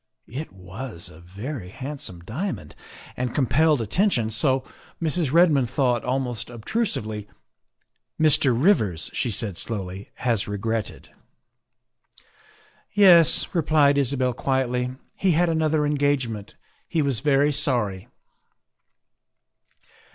It was a very handsome dia mond, and compelled attention, so Mrs. Redmond thought, almost obtrusively. " Mr. Rivers," she said slowly, " has regretted." " Yes," replied Isabel quietly, " he had another en gagement. He was very sorry."